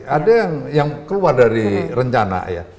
ada yang keluar dari rencana ya